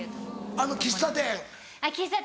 あの喫茶店？